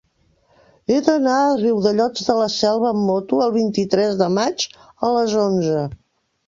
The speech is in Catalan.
He d'anar a Riudellots de la Selva amb moto el vint-i-tres de maig a les onze.